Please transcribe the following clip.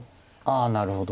ああなるほど。